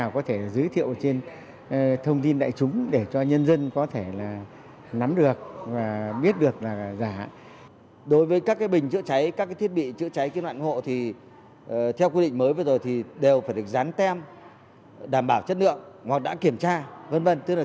chữ cháy chữ nạn hộ theo quy định mới vừa rồi đều phải được dán tem đảm bảo chất lượng hoặc đã kiểm tra